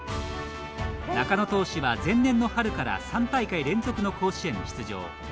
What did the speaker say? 中野投手は、前年の春から３大会連続の甲子園出場。